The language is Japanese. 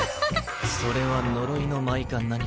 それは呪いの舞か何かか？